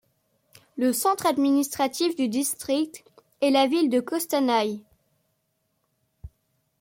Le centre administratif du district est la ville de Kostanaï.